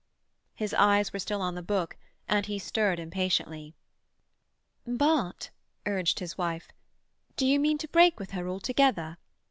His eyes were still on the book, and he stirred impatiently. "But," urged his wife, "do you mean to break with her altogether?